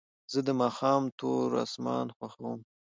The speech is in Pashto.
زه د ماښام تور اسمان خوښوم.